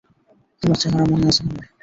তোমার চেহারা মনে আছে আমার।